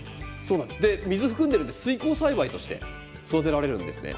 水を含んでいるので水耕栽培として育てられるんです。